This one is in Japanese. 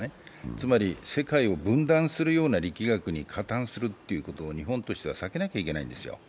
つまり世界を分断するような力学に加担するようなことは日本としては避けなきゃいけないんですよ。